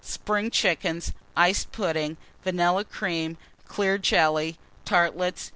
Spring Chickens. Iced Pudding. Vanilla Cream. Clear Jelly. Tartlets.